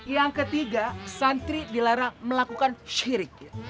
yang ketiga santri dilarang melakukan syirik